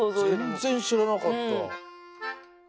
全然知らなかった。